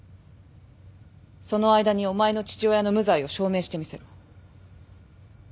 その間にお前の父親の無罪を証明してみせろ。